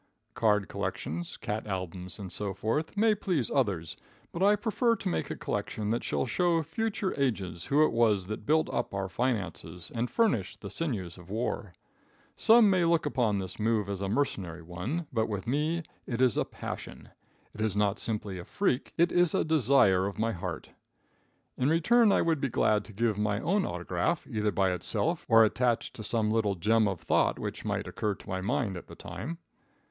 Card collections, cat albums and so forth, may please others, but I prefer to make a collection that shall show future ages who it was that built up our finances, and furnished the sinews of war. Some may look upon this move as a mercenary one, but with me it is a passion. It is not simply a freak, it is a desire of my heart. In return I would be glad to give my own autograph, either by itself or attached to some little gem of thought which might occur to my mind at the time.